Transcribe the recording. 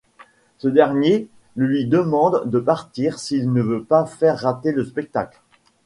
Ce dernier lui demande de partir s'il ne veut pas faire rater le spectacle.